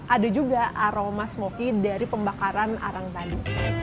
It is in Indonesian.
ada juga aroma smokey dari pembakaran arang tadi